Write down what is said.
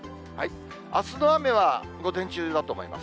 あすの雨は午前中だと思います。